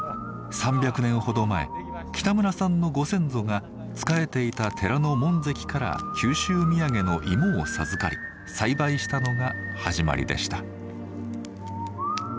３００年ほど前北村さんのご先祖が仕えていた寺の門跡から九州土産の芋を授かり栽培したのが始まりでした。